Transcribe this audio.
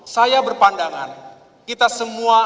saya berpandangan kita semua